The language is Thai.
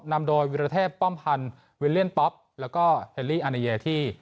นำโดยวิรเทพป้อมพันธ์วิลเลียนป๊อปแล้วก็เฮลลี่อาเนเยที่